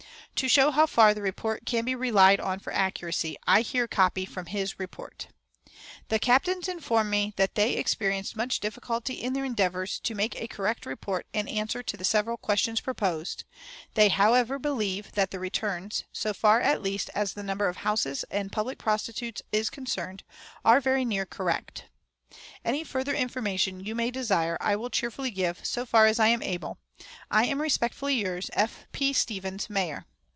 "To show how far the report can be relied on for accuracy, I here copy from his report: 'The captains inform me that they experienced much difficulty in their endeavors to make a correct report and answer to the several questions proposed; they, however, believe that the returns, so far at least as the number of houses and public prostitutes is concerned, are very near correct.' "Any farther information you may desire I will cheerfully give, so far as I am able. I am respectfully yours, "F. P. STEVENS, Mayor."